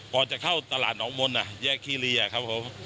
ก่อนจะเข้าตลาดหนองมนต์แยกคีรีครับผม